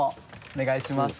お願いします。